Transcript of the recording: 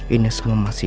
ini semua masih